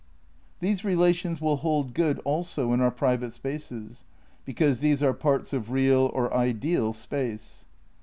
These relations will hold good also in our private spaces because these are parts of real (or ideal) space.